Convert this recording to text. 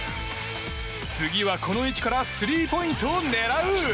次は、この位置からスリーポイントを狙う！